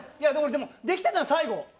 でもできてたの、最後。